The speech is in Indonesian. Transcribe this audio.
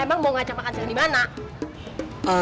emang mau ngajak makan siang dimana